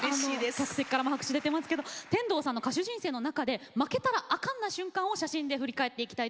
客席からも拍手出てますけど天童さんの歌手人生の中で「負けたらあかん」な瞬間を写真で振り返っていきたいと思います。